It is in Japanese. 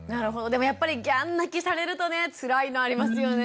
でもやっぱりギャン泣きされるとねつらいのありますよね。